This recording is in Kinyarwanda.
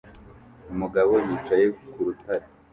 Umugabo yicaye ku rutare